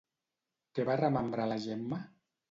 Què va remembrar la Gemma?